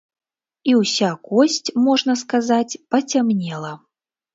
І ўся косць, можна сказаць, пацямнела.